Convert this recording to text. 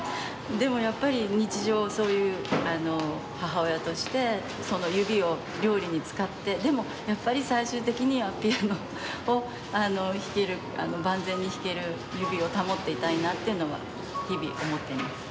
でもやっぱり日常そういう母親として指を料理に使ってでもやっぱり最終的にはピアノを弾ける万全に弾ける指を保っていたいなっていうのは日々思っています。